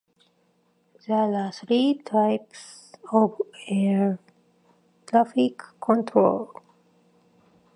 There are three types of air traffic control.